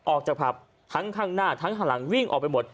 ออกจากผับทั้งข้างหน้าทั้งข้างหลังวิ่งออกไปหมด